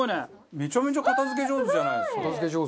めちゃめちゃ片付け上手じゃないですか。